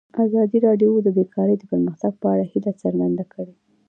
ازادي راډیو د بیکاري د پرمختګ په اړه هیله څرګنده کړې.